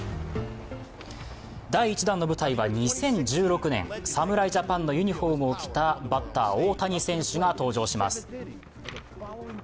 第１弾の舞台は２０１６年侍ジャパンのユニフォームを着たバッター・大谷選手が登場します。